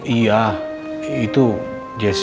iya itu jessy